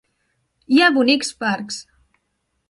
Hi ha bonics parcs.